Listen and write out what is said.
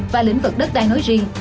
và lĩnh vực đất đai nói riêng